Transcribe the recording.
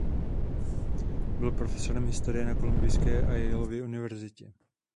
Byl profesorem historie na Kolumbijské a Yaleově univerzitě.